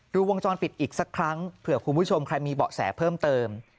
วงจรปิดอีกสักครั้งเผื่อคุณผู้ชมใครมีเบาะแสเพิ่มเติม